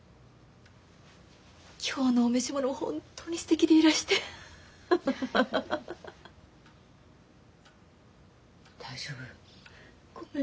今日のお召し物も本当にすてきでいらしてフフフ。大丈夫？ごめん。